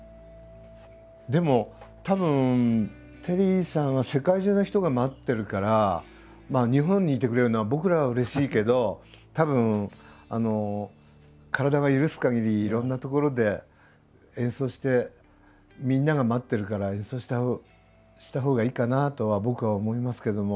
でもたぶんテリーさんは世界中の人が待ってるから日本にいてくれるのは僕らはうれしいけどたぶん体が許すかぎりいろんな所で演奏してみんなが待ってるから演奏したほうがいいかなとは僕は思いますけども。